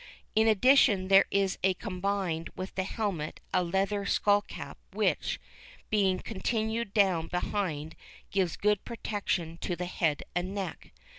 In addition there is combined with the helmet a leather skull cap which, being continued down behind, gives good protection to the head and neck.